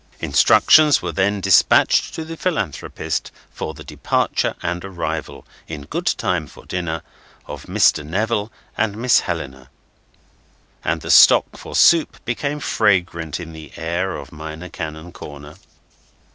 Instructions were then despatched to the Philanthropist for the departure and arrival, in good time for dinner, of Mr. Neville and Miss Helena; and stock for soup became fragrant in the air of Minor Canon Corner.